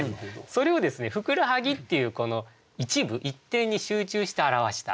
それをですね「ふくらはぎ」っていうこの一部一点に集中して表した。